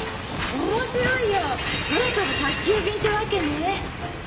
面白いよ空飛ぶ宅急便ってわけね。